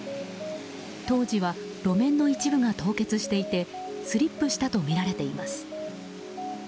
当時は路面の一部が凍結していてスリップしたとみられています。